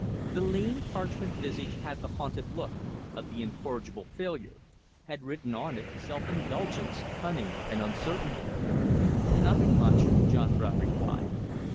The lean parchment visage had the hunted look of the incorrigible failure, had written on it self indulgence, cunning, and uncertainty. "Nothing much," John Brown replied.